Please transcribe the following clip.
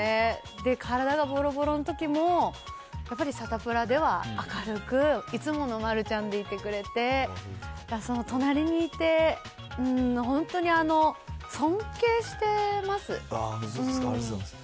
で、体がぼろぼろのときも、やっぱりサタプラでは明るく、いつもの丸ちゃんでいてくれて、その隣にいて、本当にあの、そうですか。ありがとうございます。